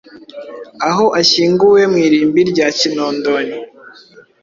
aho ashyinguwe mu irimbi rya Kinondoni